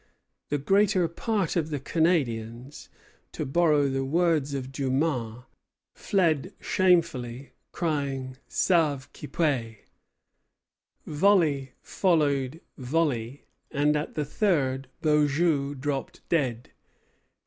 The greater part of the Canadians, to borrow the words of Dumas, "fled shamefully, crying 'Sauve qui peut!'" Volley followed volley, and at the third Beaujeu dropped dead.